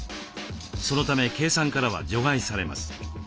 そのため計算からは除外されます。